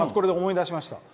思い出しました。